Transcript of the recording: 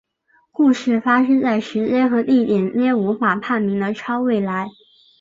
故事发生在时间和地点皆无法判明的超未来。